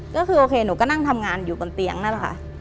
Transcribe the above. ก็คือโอเคหนูก็นั่งทำงานอยู่บนเตียงนั่นแหละค่ะ